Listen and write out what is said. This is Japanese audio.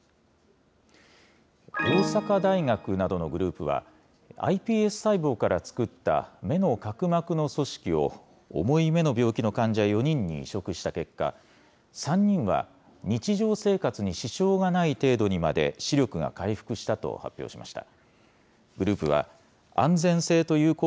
大阪大学などのグループは、ｉＰＳ細胞から作った目の角膜の組織を、重い目の病気の患者４人に移植した結果、３人は日常生活に支障がない程度にまで視力が回復したと発表しま